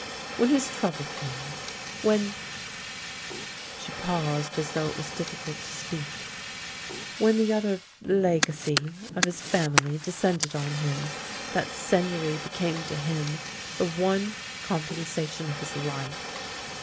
When his trouble came ; when "— she paused as though it was difficult to speak —" when the other — legacy — of his family descended on him, that Seigneury became to him the one compensation of his life.